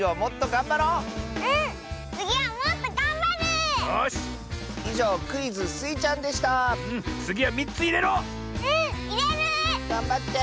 がんばって！